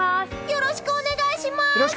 よろしくお願いします！